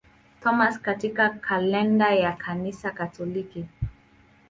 Thomas katika kalenda ya Kanisa Katoliki.